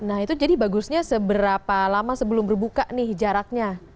nah itu jadi bagusnya seberapa lama sebelum berbuka nih jaraknya